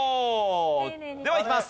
ではいきます。